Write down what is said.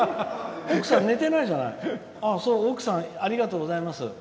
奥さん、ありがとうございます。